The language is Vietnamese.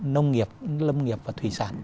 nông nghiệp lâm nghiệp và thủy sản